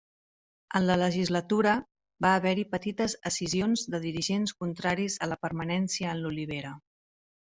En la legislatura va haver-hi petites escissions de dirigents contraris a la permanència en l'Olivera.